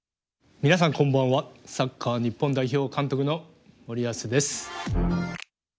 皆さんこんばんはサッカー日本代表監督の森保です。